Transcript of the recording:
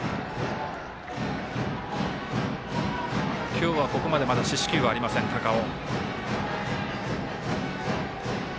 今日はここまでまだ四死球はありません、高尾。